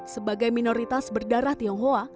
sebagai minoritas berdarah tionghoa